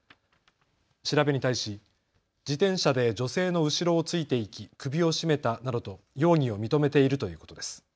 調べに対し自転車で女性の後ろをついていき、首を絞めたなどと容疑を認めているということです。